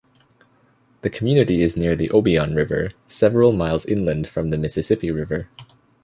The community is near the Obion River, several miles inland from the Mississippi River.